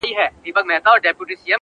د غزل د زلفو تار کي يې ويده کړم,